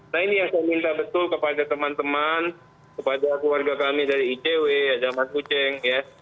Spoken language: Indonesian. nah ini yang saya minta betul kepada teman teman kepada keluarga kami dari icw ada mas uceng ya